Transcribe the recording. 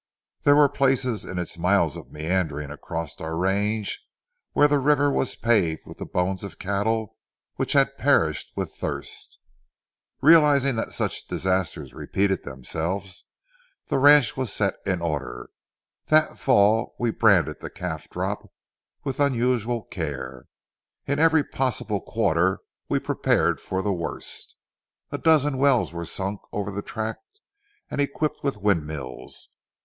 There were places in its miles of meanderings across our range where the river was paved with the bones of cattle which had perished with thirst. Realizing that such disasters repeat themselves, the ranch was set in order. That fall we branded the calf crop with unusual care. In every possible quarter, we prepared for the worst. A dozen wells were sunk over the tract and equipped with windmills.